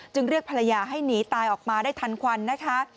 เรียกภรรยาให้หนีตายออกมาได้ทันควันนะคะ